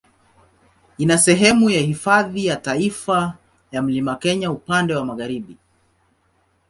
Ina sehemu ya Hifadhi ya Taifa ya Mlima Kenya upande wa magharibi.